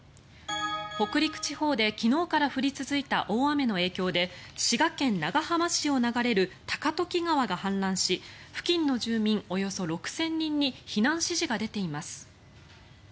北陸地方で昨日から降り続いた大雨の影響で滋賀県長浜市を流れる高時川が氾濫し付近の住民およそ６０００人に避難指示が出ています。